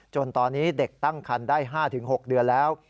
จนตอนนี้เด็กตั้งคันได้๕๖เดือนแล้ว